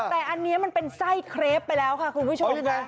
แต่อันนี้มันเป็นไส้เครปไปแล้วค่ะคุณผู้ชม